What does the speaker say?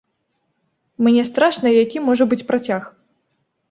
Мне страшна, які можа быць працяг.